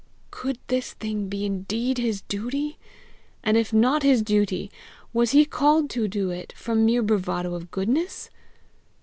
Could this thing be indeed his duty? And if not his duty, was he called to do it from mere bravado of goodness?